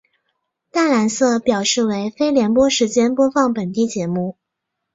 淡蓝色表示为非联播时间播放本地节目。